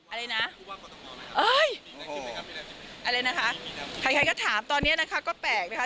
อะไรนะอะไรนะคะใครก็ถามตอนนี้นะคะก็แปลกนะคะ